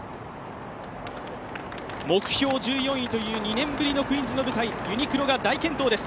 目標１４位という２年ぶりのクイーンズの舞台、ユニクロが大健闘です。